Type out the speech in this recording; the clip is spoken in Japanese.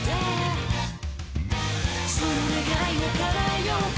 「その願いを叶えようか」